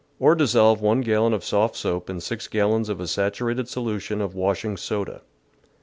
Or dissolve 1 gallon of soft soap in 6 gallons of a saturated solution of washing soda.